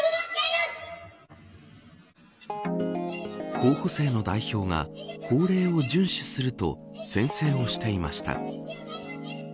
候補生の代表が法令を順守すると宣誓をしていました。